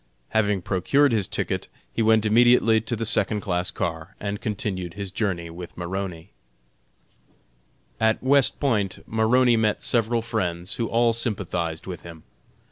Having procured his ticket, he went immediately to the second class car and continued his journey with Maroney. At West Point Maroney met several friends, who all sympathized with him.